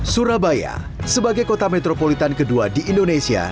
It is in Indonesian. surabaya sebagai kota metropolitan kedua di indonesia